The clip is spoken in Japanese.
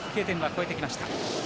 Ｋ点は越えてきました。